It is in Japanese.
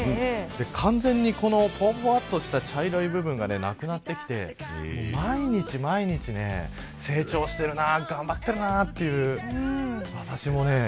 完全に、ほわほわっとした茶色い部分がなくなってきて毎日毎日、成長してるな頑張ってるなという。